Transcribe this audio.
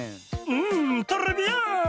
んトレビアーン！